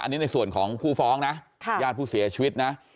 อันนี้ในส่วนของผู้ฟ้องนะญาติผู้เสียชีวิตนะ